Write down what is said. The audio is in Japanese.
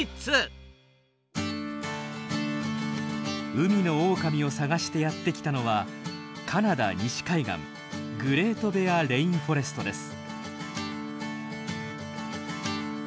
海のオオカミを探してやって来たのはカナダ西海岸グレートベアレインフォレストです。